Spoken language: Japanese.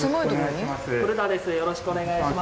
よろしくお願いします。